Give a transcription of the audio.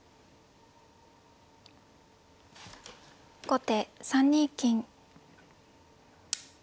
後手３二金。